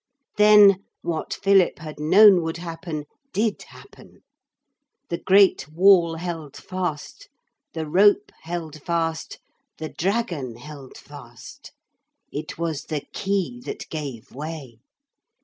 Then what Philip had known would happen, did happen. The great wall held fast, the rope held fast, the dragon held fast. It was the key that gave way.